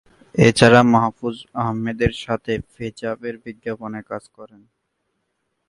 এছাড়া মাহফুজ আহমেদের সাথে "ফিজ-আপ" এর বিজ্ঞাপনে কাজ করেন।